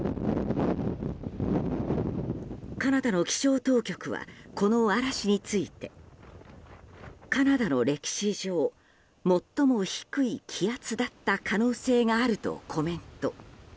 カナダの気象当局はこの嵐についてカナダの歴史上最も低い気圧だった可能性があるとコメント。